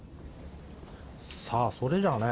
さあそれじゃね